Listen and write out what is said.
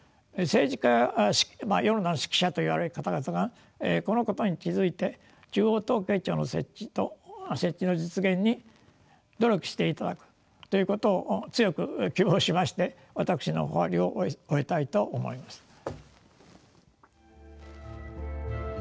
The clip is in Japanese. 政治家や識者と言われる方々がこのことに気付いて中央統計庁の設置の実現に努力していただくということを強く希望しまして私の話を終えたいと思います。